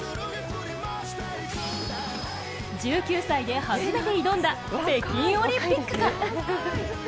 １９歳で初めて挑んだ北京オリンピックか。